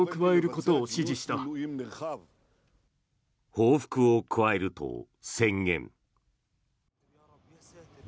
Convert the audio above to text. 報復を加えると宣言。